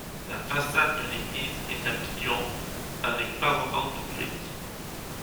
La façade de l'église est à pignons, avec parement de brique.